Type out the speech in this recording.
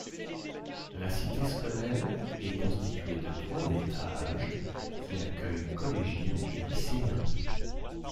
La cité scolaire est constituée de trois étages qui accueillent collégiens et lycéens.